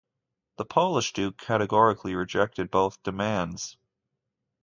The Polish duke categorically rejected both demands.